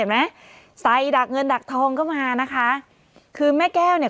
ใส่ดักเงินดักทองเข้ามานะคะคือแม่แก้วเนี่ย